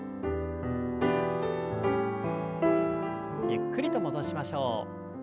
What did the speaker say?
ゆっくりと戻しましょう。